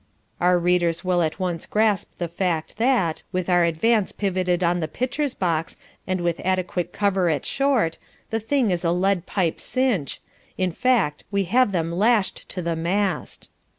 Our readers will at once grasp the fact that, with our advance pivoted on the pitcher's box and with adequate cover at short, the thing is a lead pipe cinch, in fact, we have them lashed to the mast.